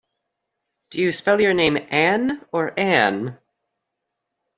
Do you spell your name Ann or Anne?